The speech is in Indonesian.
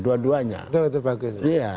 dua duanya itu bagus iya